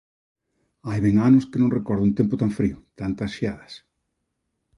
Hai ben anos que non recordo un tempo tan frío, tantas xeadas;